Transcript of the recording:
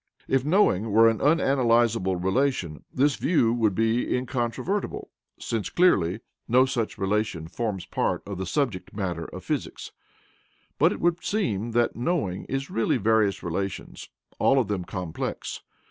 If "knowing" were an unanalysable relation, this view would be incontrovertible, since clearly no such relation forms part of the subject matter of physics. But it would seem that "knowing" is really various relations, all of them complex.